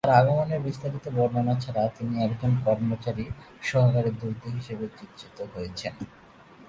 তার আগমনের বিস্তারিত বর্ণনা ছাড়া তিনি একজন কর্মচারী সহকারে দৈত্য হিসেবে চিত্রিত হয়েছেন।